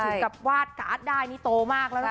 ถึงกับวาดการ์ดได้นี่โตมากแล้วนะ